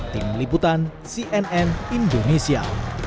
tim liputan cnn indonesia